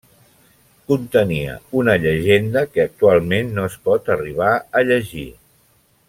Contenia una llegenda que actualment no es pot arribar a llegir.